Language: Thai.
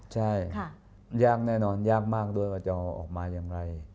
ใช่ยากแน่นอนยากมากด้วยว่าจะออกมาอย่างไร